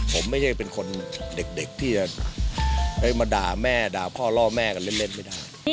ผมไม่ใช่เป็นคนเด็กที่จะมาด่าแม่ด่าพ่อล่อแม่กันเล่นไม่ได้